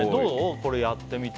これやってみて。